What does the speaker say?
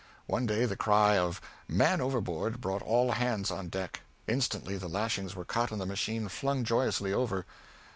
One day the cry of 'Man overboard!' brought all hands on deck. Instantly the lashings were cut and the machine flung joyously over.